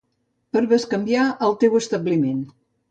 Per bescanviar al teu establiment